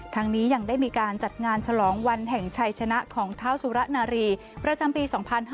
นี้ยังได้มีการจัดงานฉลองวันแห่งชัยชนะของเท้าสุระนารีประจำปี๒๕๕๙